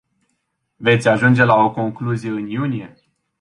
Veți ajunge la o concluzie în iunie?